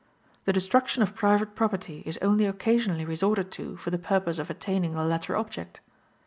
The destruction of private property is only occasionally resorted to for the purpose of attaining the latter object.